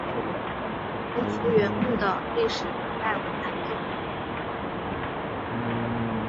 吴福源墓的历史年代为南宋。